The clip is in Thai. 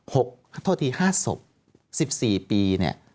ถูกครั้งนี้อันที่๕ศพ๑๔ปี